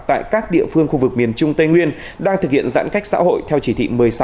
tại các địa phương khu vực miền trung tây nguyên đang thực hiện giãn cách xã hội theo chỉ thị một mươi sáu